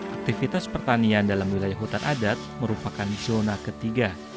aktivitas pertanian dalam wilayah hutan adat merupakan zona ketiga